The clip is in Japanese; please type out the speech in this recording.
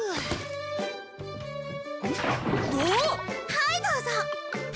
はいどうぞ。